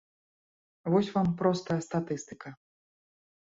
Вось вам простая статыстыка.